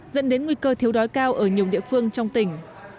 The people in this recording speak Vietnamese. dẫn đến nguy cơ thiếu đói cao ở nhiều địa phương trong tỉnh